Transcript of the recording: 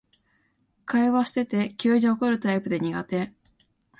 会話してて急に怒るタイプで苦手